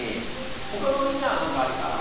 ほかのみんなは何かあるかな？